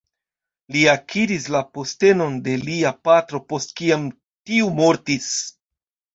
Li akiris la postenon de lia patro post kiam tiu mortis.